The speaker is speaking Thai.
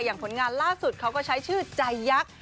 ผลงานล่าสุดเขาก็ใช้ชื่อใจยักษ์